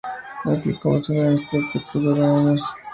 Aquí comenzó una amistad que perdura por años.